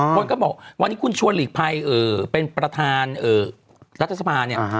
คนก็บอกวันนี้คุณชวนหลีกภัยเป็นประธานรัฐสภาเนี่ย